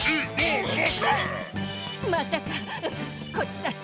またかこっちだって！